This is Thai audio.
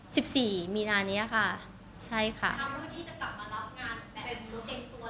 สิบสี่มีนานเนี้ยค่ะใช่ค่ะทำรู้ที่จะกลับมารับงานเป็นตัว